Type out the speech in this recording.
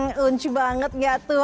hmm uncu banget gak tuh